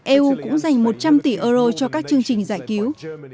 eu cũng dành một trăm linh tỷ euro cho các chương trình giải cứu